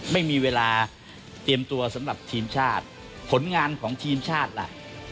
ไม่มีเวลาเตรียมตัวสำหรับทีมชาติผลงานของทีมชาติล่ะ